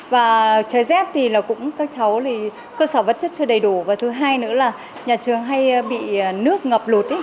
và trời rét thì cũng các cháu thì cơ sở vật chất chưa đầy đủ và thứ hai nữa là nhà trường hay bị nước ngập lụt